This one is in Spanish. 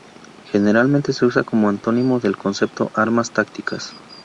Generalmente se usa como antónimo del concepto armas tácticas.